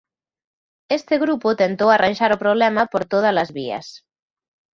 Este grupo tentou arranxar o problema por todas as vías.